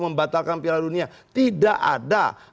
membatalkan piala dunia tidak ada